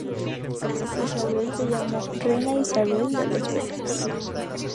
Isabel se llamó Reina Isabel de los Belgas.